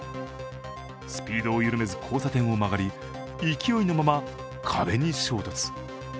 スピードを緩めず交差点を曲がり勢いのまま壁に衝突。